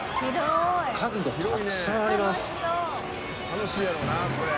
楽しいやろうなこれ。